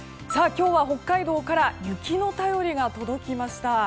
今日は北海道から雪の便りが届きました。